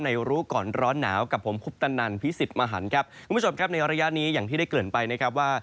รู้ก่อนร้อนหนาวกับผมคุปตนันพิสิทธิ์มหันครับคุณผู้ชมครับในระยะนี้อย่างที่ได้เกริ่นไปนะครับว่า